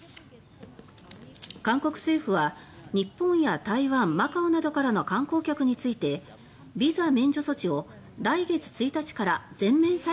韓国政府は、日本や台湾マカオなどからの観光客についてビザ免除措置を来月１日から全面再開します。